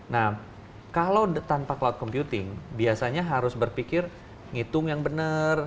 nah kalau tanpa cloud computing biasanya harus berpikir ngitung yang benar